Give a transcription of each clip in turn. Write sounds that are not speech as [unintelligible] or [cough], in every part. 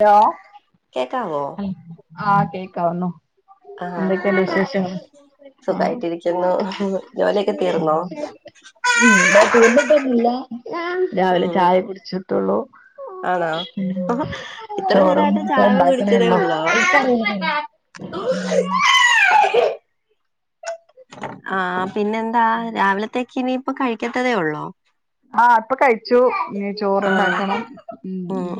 Hello കേക്കാവോ? ആഹ് കേക്കാവുന്നു. എന്തൊക്കെയുണ്ട് ആഹ് വിശേഷങ്ങൾ ആഹ് സുഖായിട്ടിരിക്കുന്നു ജോലിയൊക്കെ തീർന്നോ? ഉം ഇവിടെ തീർന്നിട്ടൊന്നുല്ല, രാവിലെ ഉം ചായ കുടിച്ചു. ട്ട്ള്ളു ആണോ ഇത്ര ചോറും നേരായിട്ട് ചായ കണ്ട കുടിച്ചതേ ഉള്ളോ [unintelligible] ആഹ് പിന്നെന്താ രാവിലത്തേക്ക് ഇനിയിപ്പ കഴിക്കത്തതേ ഉള്ളോ? ആഹ് ഇപ്പൊ കഴിച്ചു ഇനി ആഹ് ചോറ്ണ്ടാക്കണം ഉം ഉം.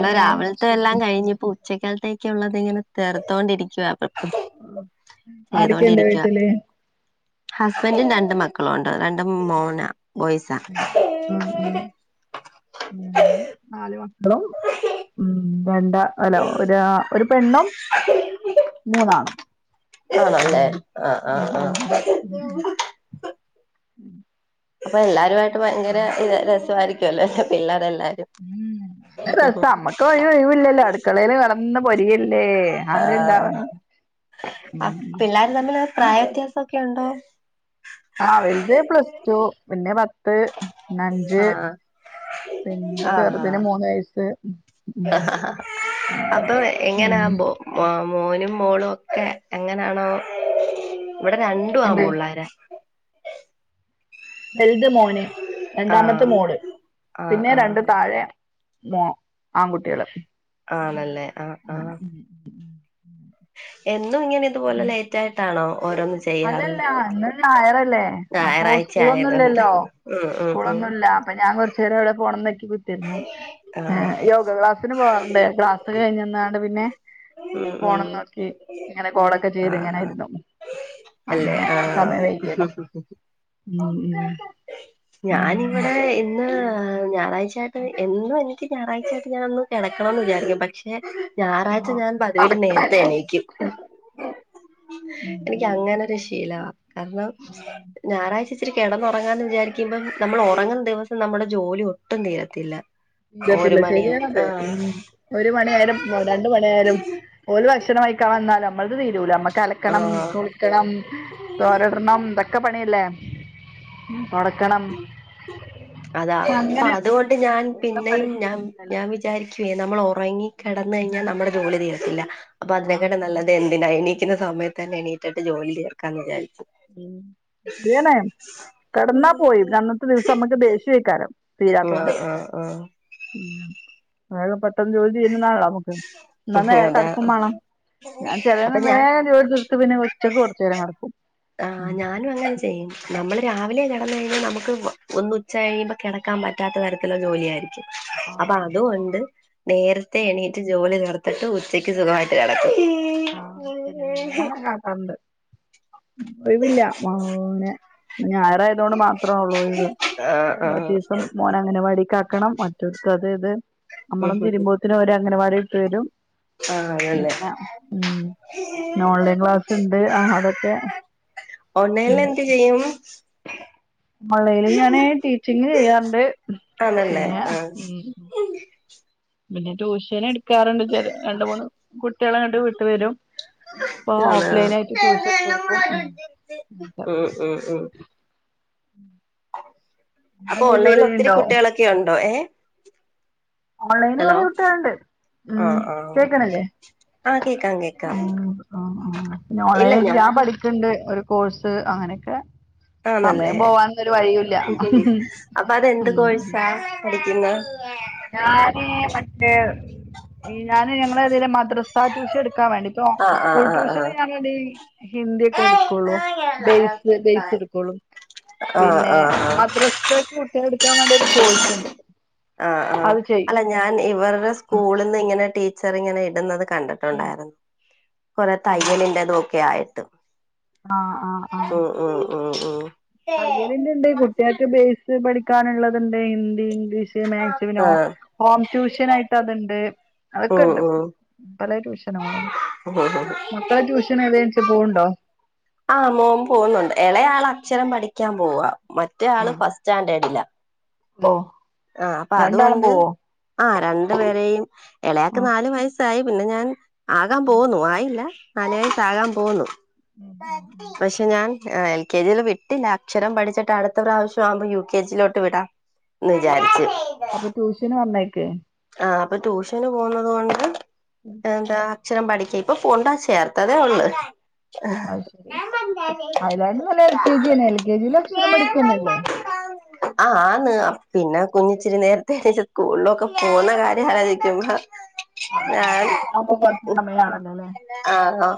എന്നാ പിന്നെ രാവിൽത്തെല്ലാം വിശേഷം കഴിഞ്ഞു പോ ച്ചക്കൽത്തേക്കുള്ളത് ഇങ്ങനെ തീർത്തോണ്ടിരിക്കുവാ. അഹ് ആരൊക്കെയുണ്ട് ചെയ്തൊണ്ടിരിക്കുവാ. വീട്ടില് ഹസ്ബൻഡും രണ്ട് മക്കളുംണ്ട് രണ്ടും മോനാ ബോയ്സാ. ഉം ഉം ഞാനും നാല് മക്കളും. ഉം രണ്ട അല്ല ഒരാ ഒരു പെണ്ണും മൂന്നാണും. ആണല്ലേ ഉം ആഹ് ആഹ് ഉം ആഹ്. ഉം അപ്പൊ എല്ലാരുവായിട്ട് ഭയങ്കര ഇ രെസവാമായിരിക്കുവല്ലേ പിള്ളേർ എല്ലാരും. രസാ അമ്മക്ക് ഒരു ഒഴിവ് ല്ലല്ലോ അടുക്കളേല് നിന്ന് പൊരിയല്ലേ ആഹ് ആര്ണ്ടാവാന് ക്കെയക്കെണ്ടോ? ആഹ് വെൽത് പ്ലസ് ടു പിന്നെ പത്ത് ന്നഞ്ച് ആഹ് പിന്നെ ചെറുത് ന് ആഹ് മൂന്ന് വയസ്സ് ഉം അപ്പൊ അങ്ങനെയൊക്കെ ഉം എങ്ങനെയാമ്പോ മ മോനും മോളും ഒക്കെ എങ്ങനെയാണോ ഇവിടെ രണ്ടു എന്ത് ആമ്പുള്ളാര വെൽത് മോന് രണ്ടാമത്തെ ആഹ് മോള് ആഹ് പിന്നെ ആഹ് രണ്ട് താഴെ മോ ആൺകുട്ടിയേള് ആണല്ലേ ആഹ് ആഹ് ഉം ഉം എന്നും ഇങ്ങനെ ഇതുപോലെ ലേറ്റ് ആയിട്ടാണോ ഓരോന്ന് ചെയ്യാറ് അല്ലല്ലല്ല ഇന്ന് ഞായറല്ലേ അപ്പൊ ഞായറാഴ്ച ആയതുകൊണ്ട് സ്കൂളൊന്നുംല്ലല്ലോ ഉം ഉം ഉം സ്കൂളൊന്നുല്ല അപ്പൊ ഞാൻ വേറ ച്ചേടെ അവ്ടേ പോണംന്നക്കി കുത്തിരുന്നു ഏ ആഹ് യോഗ ക്ലാസ് ത്തിന് പോവാർണ്ട് ക്ലാസ് കഴിഞ്ഞന്നാണ്ട് പിന്നെ ഉം ഉം ഫോണും നോക്കി, ഇങ്ങനെ കോളൊക്കെ ചെയ്ത് ആഹ് ആഹ് ഇങ്ങനെയിരുന്നു. അല്ലെ ആഹ്. ഉം ഉം ഉം ഞാനിവിടെ ഇന്ന് ഞായറാഴ്ചാ എന്നും എനിക്ക് ഞായറാഴ്ചായിട്ട് ഞാനൊന്ന് കിടക്കണംന്ന് വിചാരിക്കും പക്ഷെ രാ ഞാൻ പതിവിലും നേരത്തെ നടക്കണല്ലേ എണീക്കും. [inaudible] എനിക്ക് അങ്ങനൊരു ശീലാവാ കാരണം. ഞായറാഴ്ച്ച ഇച്ചിരി കിടന്നുറങ്ങാന്ന് വിചാരിക്കുമ്പം നമ്മൾ ഉറങ്ങുന്ന ദിവസം നമ്മുടെ ജോലി ഒട്ടും തീരത്തില്ല. ഒരു തീരത്തില്ല മണിയാ ശരിയാണത്ത് ആഹ് മ്മ് ഒരു മണിയായാലും രണ്ട് മണിയായാലും ഓല് ഭക്ഷണം വഴിക്കാതന്നാൽ നമ്മൾത് തീരൂല്ല കലക്കണം കുളിക്കണം ആഹ് തോരടണം ഇതൊക്കെ പണിയല്ലേ. തൊടക്കണം. അതാ അപ്പൊ അതുകൊണ്ട് ഞാൻ പെണ്ണുങ്ങളെ പണി പിന്നെയും ഞാൻ തീരുന്നില്ലല്ലോ ഞാൻ വിചാരിക്കുവേ നമ്മൾ ഒ ഒറങ്ങി കിടന്ന് കഴിഞ്ഞാൽ നമ്മുടെ ജോലി തീരത്തില്ല അപ്പൊ ആഹ് അതിനെക്കാട്ടെ നല്ലത് എന്തിനാനി സമയത്ത്ന്നെ എണീറ്റട്ട് ജോലി തിർക്കാന്ന് വിചാരിക്കും. ഉം ലിയനെ കിടന്നോ പോയി അന്നത്തെ ദിവസം നമ്മക്ക് ദേഷ്യക്കാരം. തീരാത്തോണ്ട് ആഹ് ആഹ് ഉം ഇങ്ങളൊക്കെ പെട്ടന്ന് ജോലി തീരാണംന്നാണോ. ഇന്ന ആഹ് നേരെ അതാ കടക്കും വേണം ന്നാ ചേലെന്ന് അപ്പൊ ഞാൻ വേഗം ജോലി തീർ പിന്നെ കൊച്ചക്ക് കൊറേചേരം കടക്കും. ആഹ് ഞാനും അങ്ങന ചെ നമ്മള് രാവിലെ കെടന്ന് കഴിഞ്ഞാൽ നമുക്ക് ഒന്ന് ഉച്ച കയിയുമ്പോ കിടക്കാൻ പറ്റാത്ത തരത്തിലുള്ള ജോലിയായിരിക്കും. അപ്പൊ ആഹ് അതുകൊണ്ട് നേരത്തെ എണീട്ട് ജോലി ത്തീ ഇട്ട് ഉച്ചയ്ക്ക് സുഖമായിട്ട് കടകും. ആഹ് എടങ്ങേറാല്ലാത്തോണ്ട് ഒഴിവില്ല മോനെ. ഇന്ന് ഞായറായതുകൊണ്ട് മാത്രേ ഉള്ളൂ ഒഴിവ് ആഹ് ബാക്കി ആഹ് ദിവസം. മോൻ അങ്ങനവാടിക്ക് ആക്കണം മറ്റോ ർക്ക് അത് ഇത് നമ്മളും തിരിയുമ്പോത്തിനും ഒരു അങ്ങനവാടി ഇട്ട് വരും. ആഹ് അതന്നേ. അങ്ങനെ ഉം ഇന്ന് ഓൺലൈൻ ക്ലാസ്സ് ഉണ്ട് ആ അതൊക്കെ ഓൺലൈനിൽ ഉണ്ട്. [inaudible] ഓൺലൈനിൽ ഞാൻ ടീച്ചിങ് ചെയ്യാറുണ്ട് ആണല്ലേ പിന്നെ ആഹ് മ്മ് മ്മ്. പിന്നെ ട്യൂഷൻ എടുക്കാറുണ്ട് ചില രണ്ട് മൂന്ന് കുട്ടികൾ അങ്ങട്ട് വീട്ടു വരും. പ്പോ ആണ് ഓഫ്ലൈൻ ആയിട്ട് ട്യൂഷൻ എടുതു കൊടുക്കും. മ്മ് മ്മ്. അപ്പൊ നിങ്ങളെന്തേ ജോലി ഓൺലൈനിൽ ഒത്തിരി ചെയ്യ്ണ്ടോ കുട്ടികളൊക്കെുണ്ടോ ഏ. ഓൺലൈനിൽ ഹലോ കുറേ കുട്ടികളുണ്ട് ഉം ആഹ് ആഹ് കേക്കണില്ലേ. ആഹ് കേക്കാം കേക്കാം [inaudible] ഞാൻ പഠ ട്ട്ണ്ട് ഒരു കോഴ്സ് അങ്ങനെയൊക്കെ. ആണല്ലേ സമയം പോവാനൊന്നും ഒരു വഴിയുല്ല അപ്പൊ അതെന്ത് ഉം കോഴിസാ. കുടിക്കുന്ന. ഞാന് മറ്റേ ഞാന് ഞങ്ങളതലും മദ്രസ ട്യൂഷൻ എടുക്കാൻ വേണ്ടി. ഇപ്പൊ ആഹ് ആഹ് സ്കൂൾ ആഹ് ട്യൂഷന് ഞാൻ ഒരു ഹിന്ദി ഒക്കെ എടുക്കുള്ളൂ. ആഹ് ബേയ്സ് ബെയസ് എടുക്കോളും ആഹ് പിന്നെ ആഹ് മദ്രസ്. [unintelligible] കുട്ടികളെ എടുക്കാൻ വേണ്ടി ഒരു കോഴ്സ്ണ്ട്. ആഹ് ആഹ് അത് ചെയ്യ അല്ല ഞാൻ ഇവരുടെ സ്കൂളിൽന്ന് ഇങ്ങനെ ടീച്ചർ ഇങ്ങനെ ഇടുന്നത് കണ്ട ട്ടുണ്ടായിരുന്നു, കൊറെ ഉം തയ്യലിന്റെ തൊക്കെ ആയിട്ട്. ആഹ് മ് ആഹ് ആഹ് മ് മ് മ്. [unintelligible] കുട്ടികൾക്ക് ബേസ് പഠിക്കാനുള്ളത്ണ്ട് ഹിന്ദി ഇംഗ്ലീഷ്. മാക്സിമിനോ ആഹ് ഹോം ട്യൂഷൻ ആയിട്ട് അത്ണ്ട് ഉം അതൊക്കെണ്ട്. ഉം പല ട്യൂഷനങ്ങളും ഉണ്ട് മക്കളെ ട്യൂഷൻ ഏതനിച്ച പോവ്ണ്ടോ? ആ മോൻ പോകുന്നുണ്ട് എളയാൾ അക്ഷരം പഠിക്കാൻ പോവാ മറ്റ ആള് ചാൻണ്ടേടില്ല. ഓഹ് ആഹ് അപ്പം രണ്ടാളും അതുകൊണ്ട് പോവോ ആഹ് രണ്ട് പേരെയും എളയാക്ക് ഉം നാല് വയസ്സായി പിന്നെ ഞാൻ ആകാൻ പോവുന്നു ആയില്ല നാല് വയസ്സാകാൻ പോകുന്നു ഉം പക്ഷെ ഞാൻ അ എൽ കെ ജിൽ വി- റ്റില്ല അക്ഷരം പഠിച്ചിട്ട് അടുത്ത പ്രാവശ്യാമ്പം യു കെ ജി യി ലോട്ട് വിടാം വിചാരിച്ച് അപ്പൊ ട്യൂഷന് പറഞ്ഞയക്കേ ആഹ് അപ്പ ട്യൂഷന് പോവുന്നതു കൊണ്ട് [inaudible] എന്താ അക്ഷരം പഠിക്ക ഇപ്പം പൊണ്ടാ ചേർത്തതേ ഒള്ള് അത് ശരി അയിലാകാട്ടിലും നല്ലെ എൽ കെ ജി ന്നെ എൽ കെ ജില് അക്ഷരം പഠിക്കന്നെ അല്ലേ ആഹ് ആന്ന് അ പിന്നെ കുഞ്ഞിച്ചിരി നേരത്തെ എണീച്ച് സ്കൂളിലൊക്കെ പോന്ന കാര്യം ആലോചിക്കമ്പം അത് ശരി ഞാൻ ട്യൂഷൻ അപ്പൊ കൊറച്ച് സമയാണല്ലോല്ലേ ആഹ്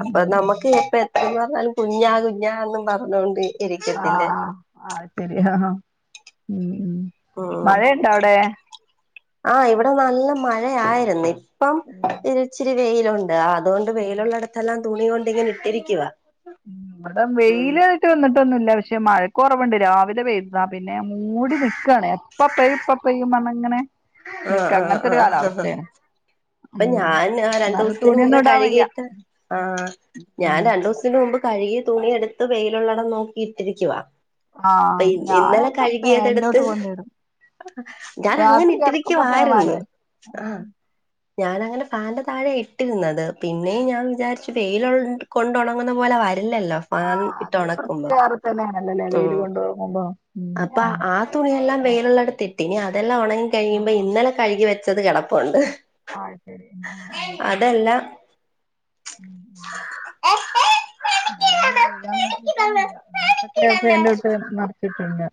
അപ്പം നമ ഇപ്പ എത്രന്ന് പറഞ്ഞാലും കുഞ്ഞാ കുഞ്ഞാന്നും പറഞ്ഞോണ്ട് ഇരിക്കത്തില്ലേ ആഹ് ആഹ് അത് ശെരിയാ ഉം ഉം ഉം മഴയുണ്ടോ അവിടെ ആഹ് ഇവടെ നല്ല മഴയായിര്ന്ന് ഇപ്പം ഉം ഇച്ചിരി വെയിലൊണ്ട് അതുകൊണ്ട് ഉം വെയിലൊള്ളടത്തെല്ലാം തുണി കൊണ്ട് ഇങ്ങനെ ഇട്ടിരിക്കുവ ഇവടെ വെയില് വന്നിട്ടൊന്നുല്ല പക്ഷെ മഴക്ക് കൊറവോണ്ട് രാവിലെ പെയ്തത പിന്നെ മൂടി നിക്കാണേ പ്പ പെയ്യും ഇപ്പ പെയ്യും പർഞ്ങ്ങനെ ആ നിക്ക അങ്ങൻത്തെരു കാലാവസ്ഥേണ്. അപ്പം ഞാൻ രണ്ടൂസത്തിന് മുമ്പേ ഇടാൻ വയ്യ കഴുകിയിട്ട് ആഹ് ഞാൻ ഉം രണ്ടുസത്തിന് മുമ്പ് കഴുകി തുണി എടുത്ത് വെയിലോള്ളടം നോക്കിയിട്ടിരിക്കുവ ആഹ് പെയ്ജി ഇന്നലെ ഞാനൊക്കെ കഴുകിയതടുത്ത് ഫാനിലോട്ട് കൊണ്ടിടും ഞാൻ രാത്രി അങ്ങനെ. കിടക്കുമ്പോ ഫാൻ ക്കുവാര്ന്ന് വേണ്ടേ ആഹ് ഞാനങ്ങനെ ഫാന്റെ താഴെ ഇട്ടിരുന്നത് പിന്നേയും ഞാൻ വിചാരിച്ചു വെയില് കൊണ്ട് ഒണങ്ങന്ന പോലെ വരില്ലല്ലോ ഫാൻ ഇട്ട് അതൊരു ഉണക്കുമ്പോ വേറെ തന്നെയാണല്ലോല്ലേ വെയില് ഉം കൊണ്ട് ഉറങ്ങുമ്പോ ഉം അപ്പൊ ഉം ആ തുണിയെല്ലാം വെയിലൊള്ളടത്തിട്ട് ഇനി അതെല്ലാം ഒണങ്ങി കയിമ്പം ആഹ് ഇന്നലെ കഴുകി വെച്ചത് കെടപ്പോണ്ട് ആഹ് ശരി ആഹ ആഹ ആഹ ഉം. ഞാൻന്ന് ചെയ്യാൻ നോക്കീട്ടന്നെല്ലാ ഇന്നലത്തെക്കെ അതെല്ലാം ഫാന്റോട്ടില് മറിച്ചിട്ട്ണ്ട്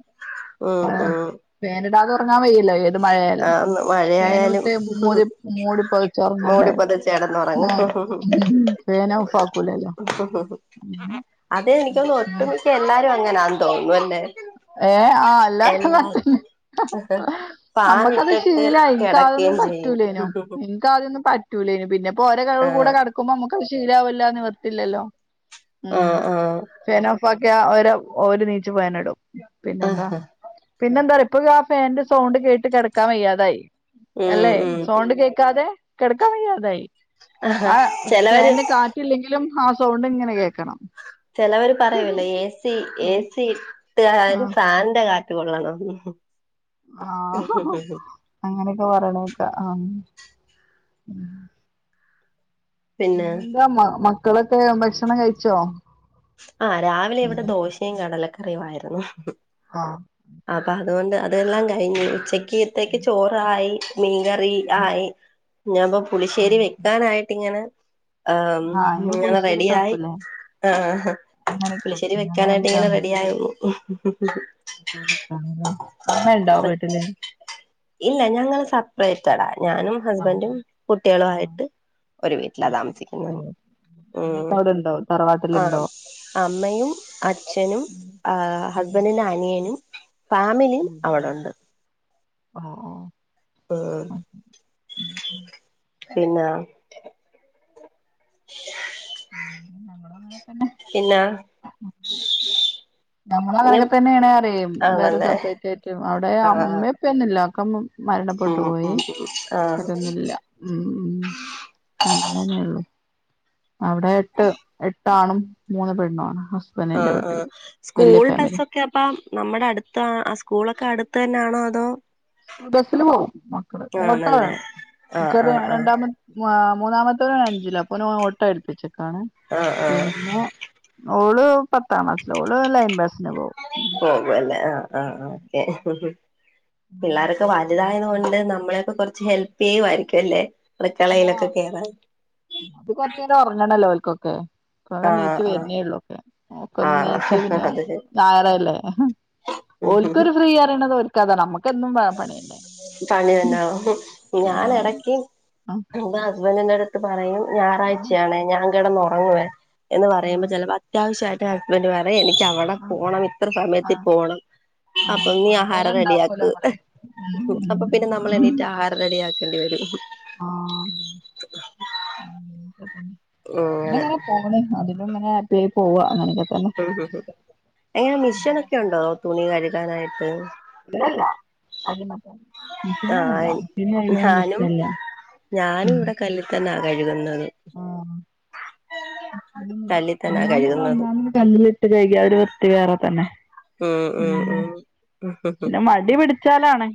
ആഹ് ആഹ് ഫാൻ ഇടാത ഉറങ്ങാൻ വയ്യല്ലോ ഏത് മഴയായാലും ആന്ന് ഫേന് മഴയായാലും ഇട്ട് മൂടി മൂടിപ്പോ ചോറ് ഉണ്ണണ്ടേ മൂടിപ്പൊതച്ചെടന്നൊറങ്ങും [unintelligible] ഫേന് ഓഫാക്കൂലല്ലോ അതെ എനിക്കൊന്ന് ഒട്ടുമിക്ക എല്ലാരും അങ്ങനാന്ന് തോന്ന്നുല്ലേ ഏഹ് ആഹ് എല്ലാവരും [unintelligible] നമ്മക്കത് ഫാനിട്ടിട്ട് ശീലായി ക്ക അതൊന്നും കെടക്കേം ചെയ്യും പറ്റൂലയിനോ എൻക്ക് ആദ്യോന്നും പറ്റൂലയിന് പിന്നെ ഇപ്പോ ഓരോ ആഹ് കൂടെ കട ക്കുമ്പമ്മക്കവ് ശീലാവല്ലാ നിവർത്തില്ലല്ലോ ഉം ആഹ് ആഹ് ഫേനോഫ് - ഫാക്ക്യ ഓര ഓര്നീച്ച് ഫേന്ടും പിന്നെന്താ. ആഹാ പിന്നെ എന്താ അറിയോ ഇപ്പൊ ആ ഫാന്റെ സൗണ്ട് കേട്ട് കെടക്കാൻ വയ്യാതായി ഉം അല്ലെ ഉം സോണ്ട് കേക്കാതെ കെട്ക്കാ വയ്യാതായി. ആഹാ ആ ചെലവര് ഫാന്റെ കാറ്റില്ലെങ്കിലും ആ സൗണ്ട് ഇങ്ങനെ കേക്കണം ചെലവര് പറയില്ലേ ഏ സി ഏ സി ആ ഇട്ടാൽ ഫാനിന്റെ കാ റ്റ് കൊള്ളണം ഉം ഉം ആഹ് അങ്ങനെയൊക്കെ പറയണെട്ട് പിന്നെ നിന്റെ മ മക്കളക്കെ ഭക്ഷണം കഴിച്ചോ? ആഹ് രാവിലെ ഇവിടെ ദോശയും കടലക്കറിയും ആയിരുന്നു. ആഹ് അപ്പ അതുകൊണ്ട് അതെല്ലാം കഴിഞ്ഞ് ഉച്ചക്ക്ത്തേക്ക് ചോറായി മീ ക [unintelligible] ആയി ഞാൻ ഇപ്പൊ പുളിശ്ശേരി വെക്കാനായിട്ട് ഇങ്ങനെ ആം ആഹ് ഇങ്ങള് ങ്ങനെ പുളിശ്ശേരിയൊക്കെ റെഡിയായി വെക്കൂലേ? ആഹ്. അങ്ങനെയൊക്കെ പുളിശ്ശേരി വെക്കും വെക്കാനായിട്ട് ഇങ്ങനെ ഞങ്ങളതിലാണ് റെഡി ആയി ഉം ഉം ഹ് ഹ് അമ്മയുണ്ടോ വീട്ടില് ഇല്ല ഞങ്ങള് സപ്പറേറ്റടാ ഞാനും ഹസ്ബന്റും ആഹ് കുട്ടികളു ആഹ് ആയിട്ട് ഒരു വീട്ടിലാ അത് താമസിക്കുന്ന ശരി. ഉം അമ്മയൊക്കെ അവിടെ ഉണ്ടോ ആഹ് തറവാട്ടിലുണ്ടോ? അമ്മയും അച്ഛനും ആ ഹസ്ബന്റിന്റെ അനിയനും ഫാമിലി അവിടൊണ്ട് ഓ ഉം പിന്ന ഉം ഞങ്ങളും അങ്ങനതന്നെ പിന്നാ നമ്മളും അങ്ങനൊക്കെ തന്നെയാണ് ആടെയും വേറെ ആണല്ലേ സപ്പറേറ്റ് ആയിട്ടും അവിടെ ആഹ് അമ്മേം ഉപ്പേം എല്ലാന്നക്ക മരണപ്പെട്ടു ഉം പോയി ഉം ഉം ആഹ് ഇവരൊന്നില്ല ഉം അങ്ങനെള്ളു അവിടെ എട്ട് എ ഒരാണും മൂന്ന് പെണ്ണു ആണ് ഹസ്ബൻഡിന്റെ ആഹ് വീട്ടില് ആഹ് വല്യ സ്കൂൾ ഫാമിലി ബസ്സൊ ക്കെ അപ്പ നമ്മുടെ അടുത്ത ആ സ്കൂളൊക്കെ അടുത്ത് തന്നാണോ അതോ സ്കൂൾ ബസ്സില് പോവും മക്കള് ഓട്ടോ ആണല്ലേ വേണം ആഹ് ചെറിയ ആഹ് ആഹ് രണ്ടാമ വാ മൂന്നാമത്തവൻ അഞ്ചില് അപ്പൊ ഓനെ ഓട്ടയെടുപ്പിച്ചെക്കാണ് ആഹ് ആഹ് പിന്നെ ഓള് പത്താം ക്ലാസില് ഓള് ലൈൻ ബസ്സിന് പോവും പിന്നെ ആഹ് ആഹ് ഓക്കെ പിള്ളാരൊക്കെ വലുതായത് കൊണ്ട് നമ്മളെയൊക്കെ കുറച്ച് ഹെൽപ്പ് ചെയ്യു ആയിരിക്കും അല്ലേ അടുക്കളയിലൊക്കെ ആഹ് കേറാൻ അത് കൊറച്ചു നേരം ഒറങ്ങണല്ലോ ഓൽക്കൊക്കെ കൊറേ ആഹ് എണീച്ചു ആഹ് വരുന്നേ ഉള്ളൂ ഒക്കെ മോക്കൊന്നീച്ചു ആഹ് പിന്നെ അത് ഞായറല്ലേ ഉം ഓൽക്കൊരു ഫ്രീ അറിയണത് ഓര്ക്കതാണ് നമുക്ക് എന്നും പ പണിയന്നേ പണി തന്നോ ഞാൻ ഇ എടക്ക് ആഹ് പിന്ന ഹസ്ബന്റിന്റെ അടുത്ത് പറയും ഞായറാഴ്ചയാണേ ഞാൻ കിടന്ന് ഒറങ്ങുവേ എന്ന് പറയുമ്പോ ആഹ് ചിലപ്പോ അത്യാവശ്യമായിട്ട് ഹസ്ബന്റ് പറയും എനിക്ക് അവിടെ ആ പോണം ഇത്ര ആ സമയത്തി പോണം ആ അപ്പൊ നീ വേഗം ആഹാരം ഉണ്ടാക്കുമല്ലോ റെഡിയാക്ക് നമ്മള് ഉം ഉം. അപ്പൊ പിന്നെ നമ്മൾ എണീട്ട് ആഹാര റെഡിയാക്കേണ്ടി വരും ഉം പിന്നെങ്ങന അങ്ങനെ പോണ് അതിലും ഇങ്ങനെ അപ്പെ പോവാ അങ്ങനൊക്കെ തന്നെ എങ്ങനെ മിഷിനൊക്കെ ഉണ്ടോ തുണി കഴുകാനായിട്ട് [unintelligible] മിഷിനൊന്നല്ല ആഹ് [unintelligible] ഞാനും ഇഷ്ടല്ല ഞാനും ഉം ഇവിടെ കല്ലിൽ തന്നാ കഴുകുന്നത് ആ കല്ലിൽ [unintelligible] തന്നാ കഴുകുന്നത് കല്ലിലിട്ട് കഴകിയാ ആ ഒരു വൃത്തി വേറെ തന്നെ ഉം ഉം ഉം ഉം ഹ് ഹ് പിന്നെ മടി പിടിച്ചാലാണ്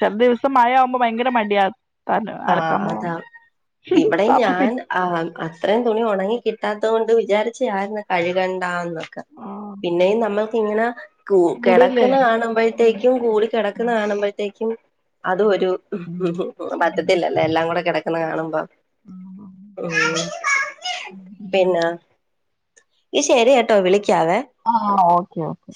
ചില ദിവസം മഴയാവുമ്പോ ഭയങ്കര മടിയാ തന്ന ആഹ് അലക്കാൻ പോണം സാപ്പ് പി ആ അത്രേം തുണി ഉണങ്ങി കിട്ടാത്ത കൊണ്ട് വിചാരിച്ച ആരുന്ന് കഴുക ണ്ടാന്നൊക്കെ ആ പിന്നെയും നമ്മൾക്ക് ഇങ്ങനെ കും കൂടുവല്ലേ കെടക്കുന്ന ഉം കാണുമ്പോഴ്ത്തേക്കും കൂടി കെടക്കണ കാണമ്പോഴ്ത്തേക്കും അതു ഒരു ഉം അതെ പറ്റത്തില്ലല്ലേ എല്ലാം കൂടെ കിടക്കുന്ന കാണുമ്പം ഉം പിന്ന ഇ ശരി കേട്ടോ വിളിക്കാവെ ആഹ് ഓക്കെ ഓക്കെ